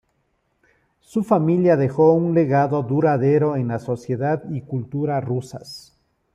Su familia dejó un legado duradero en la sociedad y cultura rusas.